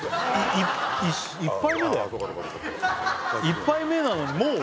１杯目なのにもう？